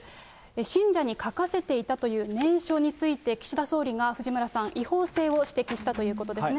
信者に書かせていたという念書について、岸田総理が、藤村さん、違法性を指摘したということですね。